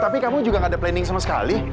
tapi kamu juga gak ada planning sama sekali